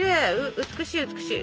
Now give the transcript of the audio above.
美しい美しい。